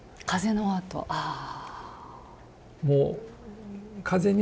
ああ。